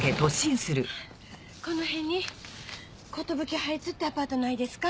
このへんに寿ハイツってアパートないですか？